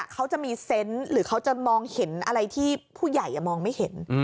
เขาจะมีเซนต์หรือเขาจะมองเห็นอะไรที่ผู้ใหญ่มองไม่เห็น